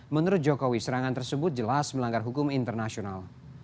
menurut jokowi serangan tersebut jelas melanggar hukum internasional